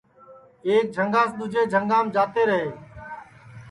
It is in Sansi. ایک جھاگاس دؔوجی جھاگا جاتے رے اور اِن کا گُجران رُگی جھنگاس ہی ہؤتا تیا